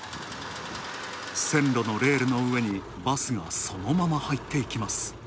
線路のレールの上にバスがそのまま入っていきます。